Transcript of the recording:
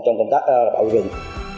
trong công tác bảo vệ rừng